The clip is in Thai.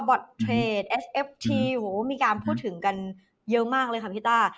อตเทรดเอสเอฟทีโอ้โหมีการพูดถึงกันเยอะมากเลยค่ะพี่ต้า